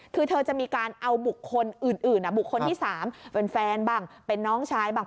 คือเธอจะมีการเอาบุคคลอื่นบุคคลที่๓เป็นแฟนบ้างเป็นน้องชายบ้าง